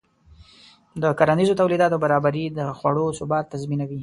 د کرنیزو تولیداتو برابري د خوړو ثبات تضمینوي.